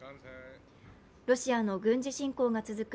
ロシアの軍事侵攻が続く